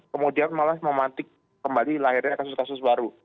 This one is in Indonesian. kemudian malah memantik kembali lahirnya kasus kasus baru